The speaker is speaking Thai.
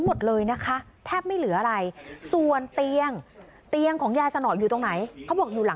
ไม่อยากให้แม่เป็นอะไรไปแล้วนอนร้องไห้แท่ทุกคืน